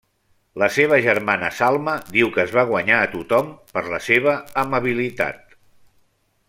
La seva germana Salma diu que es va guanyar a tothom per la seva amabilitat.